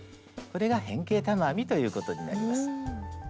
これが変形玉編みということになります。